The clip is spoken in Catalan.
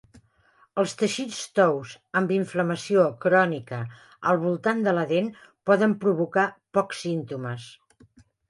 Els teixits tous amb inflamació crònica al voltant de la dent poden provocar pocs símptomes.